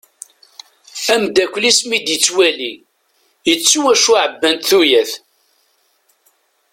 Ameddakel-is mi d-yettwali, yettu acu ɛebbant tuyat.